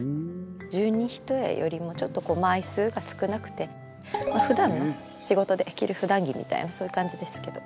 十二単よりもちょっと枚数が少なくて普段の仕事で着る普段着みたいなそういう感じですけど。